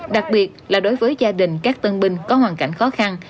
đặc biệt là đối với gia đình các tân binh có hoàn cảnh khó khăn